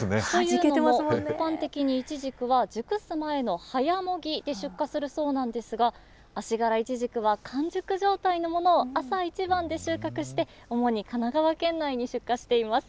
一般的にいちじくは熟す前の早もぎで出荷するそうなんですが、あしがらいちじくは完熟状態のものを朝一番で収穫して、主に神奈川県内に出荷しています。